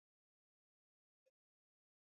Jumla ya shilingi milioni ishirini na moja.